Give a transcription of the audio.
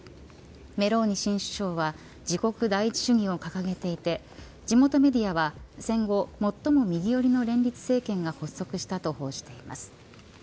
メローニ新首相は自国第一主義を掲げていて地元メディアは戦後最も右寄りの連立政権が発足したと報じています。